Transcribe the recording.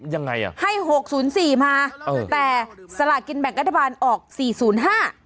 ยังไงอ่ะให้หกศูนย์สี่มาเออแต่สลากินแบ่งรัฐบาลออกสี่ศูนย์ห้า